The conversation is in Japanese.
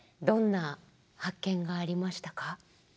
どんな発見がありましたか？